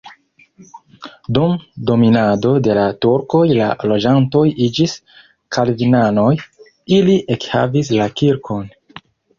Dum dominado de la turkoj la loĝantoj iĝis kalvinanoj, ili ekhavis la kirkon.